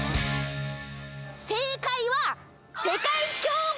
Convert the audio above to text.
正解は。